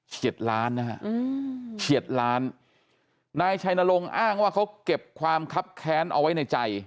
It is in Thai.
ล้านนะฮะเฉียดล้านนายชัยนรงค์อ้างว่าเขาเก็บความคับแค้นเอาไว้ในใจ